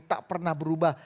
tak pernah berubah